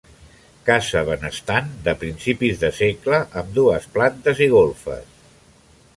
Casa benestant, de principis de segle amb dues plantes i golfes.